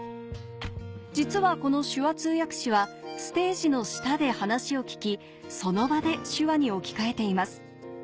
実はこの手話通訳士はステージの下で話を聞きその場で手話に置き換えています